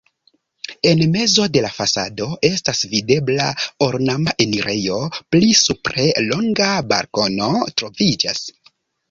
En mezo de la fasado estas videbla ornama enirejo, pli supre longa balkono troviĝas.